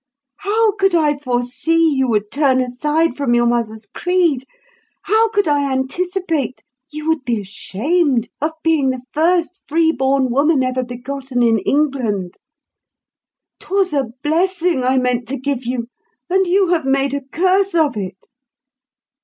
How could I foresee you would turn aside from your mother's creed? How could I anticipate you would be ashamed of being the first free born woman ever begotten in England? 'Twas a blessing I meant to give you, and you have made a curse of it."